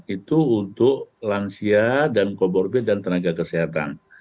itu untuk lansia dan comorbid dan tenaga kesehatan